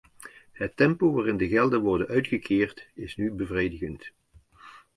Het tempo waarin de gelden worden uitgekeerd is nu bevredigend.